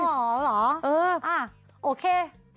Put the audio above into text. เอออ่ะโอเค